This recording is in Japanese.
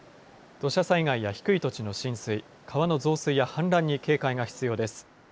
土砂災害や低い土地の浸水、川の増水や氾濫に警戒が必要です。